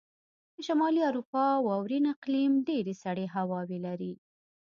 د شمالي اروپا واورین اقلیم ډېرې سړې هواوې لرلې.